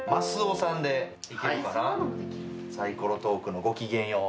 サイコロトークの『ごきげんよう』